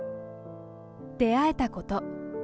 出会えたこと。